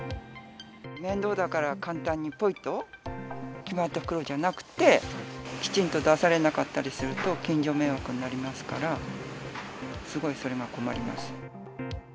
面倒だから、簡単にぽいっと、決まった袋じゃなくって、きちんと出されなかったりすると、近所迷惑になりますから、すごいそれは困ります。